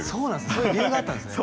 そういう理由があったんですね